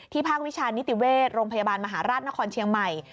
ภาควิชานิติเวชโรงพยาบาลมหาราชนครเชียงใหม่